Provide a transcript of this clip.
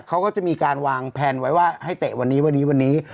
เขาก็จะมีการวางแผนไว้ว่าให้เตะวันนี้วันนี้